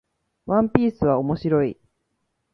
ワンピースは面白い